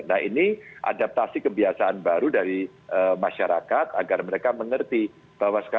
nah ini adaptasi kebiasaan baru dari masyarakat agar mereka mengerti bahwa sekarang